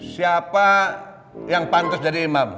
siapa yang pantas jadi imam